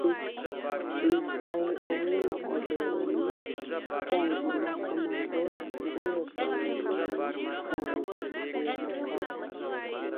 Mikai owino olero ni tangi makamago biro konyo mine kano pii eyo makare.